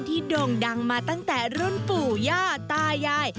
โด่งดังมาตั้งแต่รุ่นปู่ย่าตายาย